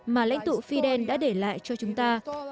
mà lãnh tụ fidel đã để lại cho chúng ta